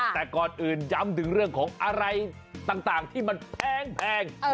แต่ก่อนอื่นย้ำถึงเรื่องของอะไรต่างที่มันแพง